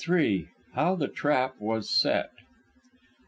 HOW THE TRAP WAS SET.